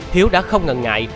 hiếu đã không ngần ngại